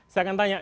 saya akan tanya